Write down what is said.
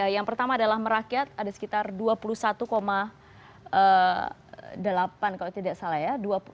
yang pertama adalah merakyat ada sekitar dua puluh satu delapan kalau tidak salah ya